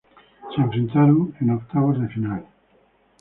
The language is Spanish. Se enfrentaron a en Octavos de final.